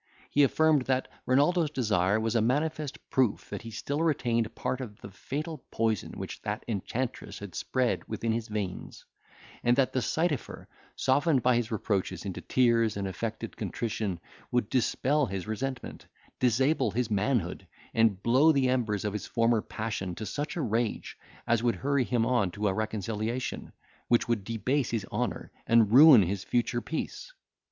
He affirmed, that Renaldo's desire was a manifest proof that he still retained part of the fatal poison which that enchantress had spread within his veins; and that the sight of her, softened by his reproaches into tears and affected contrition, would dispel his resentment, disable his manhood, and blow the embers of his former passion to such a rage, as would hurry him on to a reconciliation, which would debase his honour, and ruin his future peace.